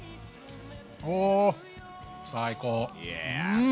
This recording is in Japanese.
お最高！